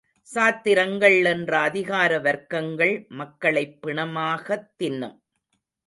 சாத்திரங்கள் என்ற அதிகார வர்க்கங்கள் மக்களைப் பிணமாகத் தின்னும்!